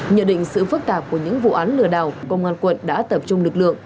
nhờ định sự phức tạp của những vụ án lừa đảo công an quận đã tập trung lực lượng